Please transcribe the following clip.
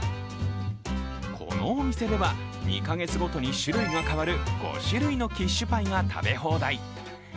このお店では、２か月ごとに種類が変わる５種類のキッシュパイが食べ放題。